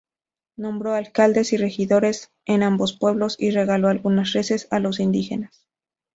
Nombró alcaldes y regidores en ambos pueblos y regaló algunas reses a los indígenas.